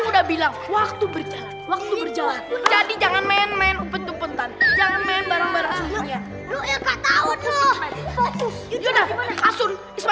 udah bilang waktu berjalan berjalan jangan main main